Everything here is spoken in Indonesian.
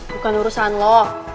bukan urusan lo